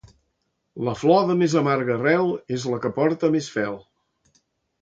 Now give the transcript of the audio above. La flor de més amarga arrel és la que porta més fel.